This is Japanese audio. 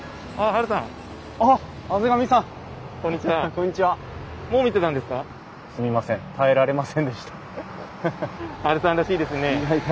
ハルさんらしいですね。